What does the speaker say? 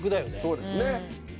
そうですね。